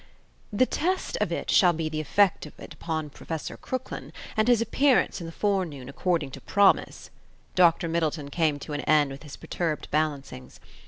"The test of it shall be the effect of it upon Professor Crooklyn, and his appearance in the forenoon according to promise," Dr. Middleton came to an end with his perturbed balancings.